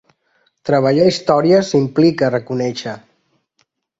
Treballar històries implica reconèixer.